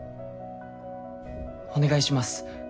お願いします。